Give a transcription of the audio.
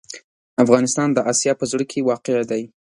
افغانستان د اسیا په زړه کې واقع دی.